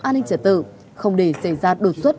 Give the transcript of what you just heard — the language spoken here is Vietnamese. an ninh trả tự không để xảy ra đột xuất